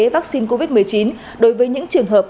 vaccine covid một mươi chín đối với những trường hợp